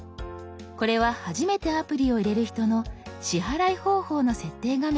これは初めてアプリを入れる人の支払い方法の設定画面です。